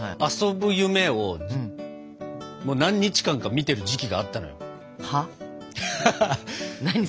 遊ぶ夢を何日間か見てる時期があったのよ。